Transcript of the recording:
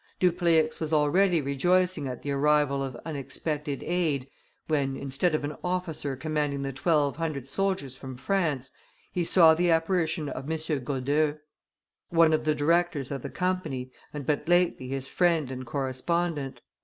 Dupleix was already rejoicing at the arrival of unexpected aid, when, instead of an officer commanding the twelve hundred soldiers from France, he saw the apparition of M. Godeheu, one of the directors of the Company, and but lately his friend and correspondent.